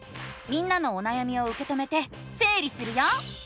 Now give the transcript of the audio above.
みんなのおなやみをうけ止めてせい理するよ！